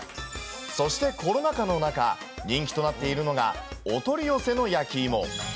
そしてコロナ禍の中、人気となっているのが、お取り寄せの焼きいも。